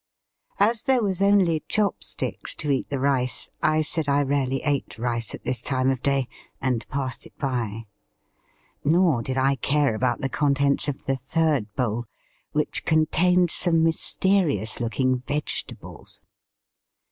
x\s there was only chop sticks to eat the rice, I said I rarely ate rice at this time of day, and passed it by. Nor did I care about the contents of the third bowl, which contained some mysterious look ing vegetables.